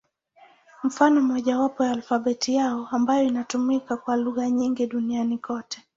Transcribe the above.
Mfano mmojawapo ni alfabeti yao, ambayo inatumika kwa lugha nyingi duniani kote.